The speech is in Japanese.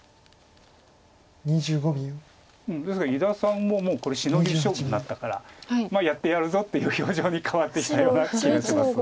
ですから伊田さんももうこれシノギ勝負になったからやってやるぞという表情に変わってきたような気がします。